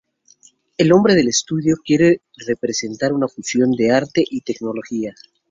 El nombre del estudio quiere representar una fusión de arte y tecnología.